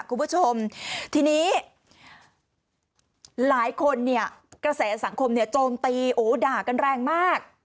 คุณผู้ชมทีนี้หลายคนเนี่ยกระแสสังคมเนี่ยโจมตีโอ้ด่ากันแรงมาก